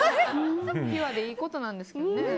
ピュアでいいことなんですけどね。